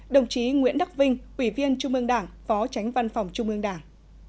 đồng chí nguyễn đắc vinh ủy viên trung ương đảng phó tránh văn phòng trung ương đảng